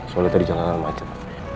soalnya tadi jalanan macet